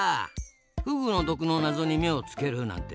フグの毒の謎に目をつけるなんてさすが！